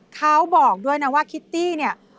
เขาบอกด้วยนะว่าคิตตี้เนี่ย